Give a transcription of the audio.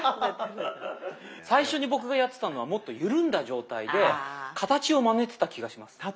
最初に僕がやってたのはもっとゆるんだ状態で形をまねてた気がします。